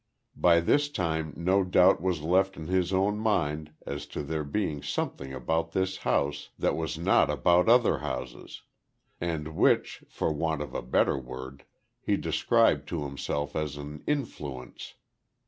By this time no doubt was left in his own mind as to there being something about this house that was not about other houses; and which, for want of a better word, he described to himself as an "influence."